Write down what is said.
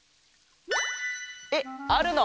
えっあるの？